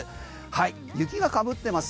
はい雪がかぶってます。